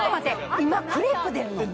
今クレープ出るの？